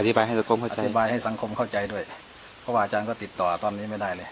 อธิบายให้สังคมเข้าใจด้วยเพราะว่าอาจารย์ก็ติดต่อตอนนี้ไม่ได้เลย